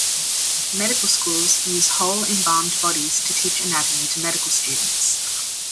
Medical schools use whole embalmed bodies to teach anatomy to medical students.